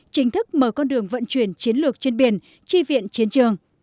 chính thức mở con đường vận chuyển chiến lược trên biển chi viện chiến trường